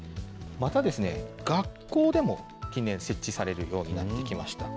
また、学校でも近年、設置されるようになってきました。